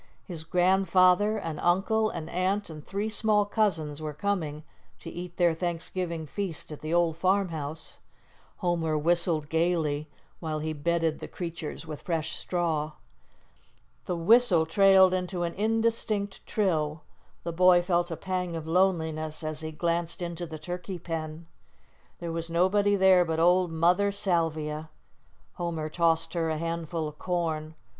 His grandfather, an uncle, an aunt, and three small cousins were coming to eat their Thanksgiving feast at the old farmhouse. Homer whistled gaily, while he bedded the creatures with fresh straw. The whistle trailed into an indistinct trill; the boy felt a pang of loneliness as he glanced into the turkey pen. There was nobody there but old Mother Salvia. Homer tossed her a handful of corn.